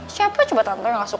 siapa coba tante yang gak suka